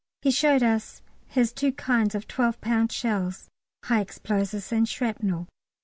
He showed us his two kinds of 12 lb. shells, high explosives and shrapnel.